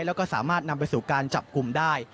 แล้วก็สามารถนำไปสู่การจับกลุ่มได้